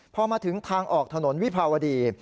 พอมาถึงทางออกถนนวิภาวดี